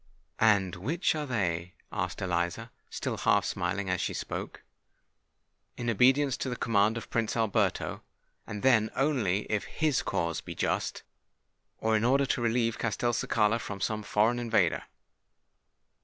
"And which are they?" asked Eliza, still half smiling as she spoke. "In obedience to the command of Prince Alberto—and then only if his cause be just; or in order to relieve Castelcicala from some foreign invader."